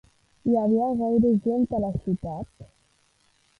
Hi havia gaire gent a la ciutat?